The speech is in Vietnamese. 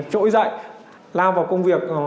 trỗi dậy lao vào công việc